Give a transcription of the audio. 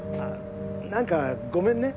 なんかごめんね。